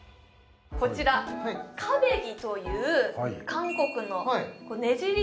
こちらクァベギという韓国のねじり